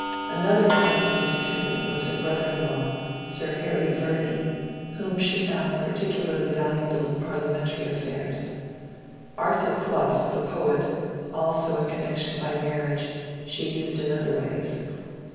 Another constant attendant was her brother in law, Sir Harry Verney, whom she found particularly valuable in parliamentary affairs. Arthur Clough, the poet, also a connection by marriage, she used in other ways.